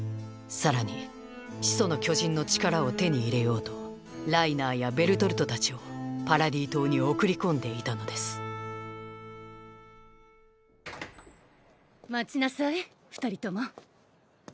さらに「始祖の巨人の力」を手に入れようとライナーやベルトルトたちをパラディ島に送り込んでいたのです待ちなさい二人とも。